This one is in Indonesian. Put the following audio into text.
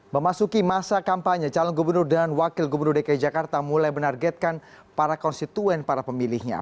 memasuki masa kampanye calon gubernur dan wakil gubernur dki jakarta mulai menargetkan para konstituen para pemilihnya